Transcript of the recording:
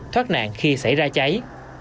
thoát nạn khi xảy ra cháy